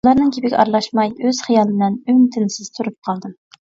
ئۇلارنىڭ گېپىگە ئارىلاشماي ئۆز خىيالىم بىلەن ئۈن-تىنسىز تۇرۇپ قالدىم.